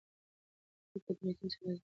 دی په ډېر احتیاط سره له ځایه پورته شو.